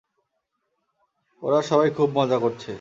ওরা সবাই খুব মজা করছে।